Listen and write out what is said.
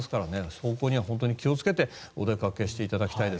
走行には気を付けてお出かけしていただきたいです。